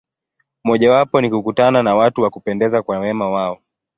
Mojawapo ni kukutana na watu wa kupendeza kwa wema wao.